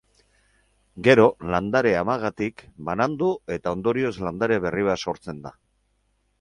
Gero, landare-amagatik banandu eta ondorioz landare berri bat sortzen da.